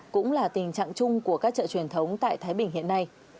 cũng là tình trạng chung của các chợ truyền thống tại thái bình hiện nay